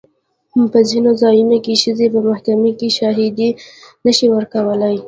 په ځینو ځایونو کې ښځې په محکمې کې شاهدي نه شي ورکولی.